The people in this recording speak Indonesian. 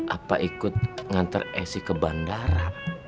apa ikut ngantar esi ke bandara